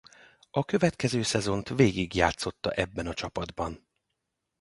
A következő szezont végig játszotta ebben a csapatban.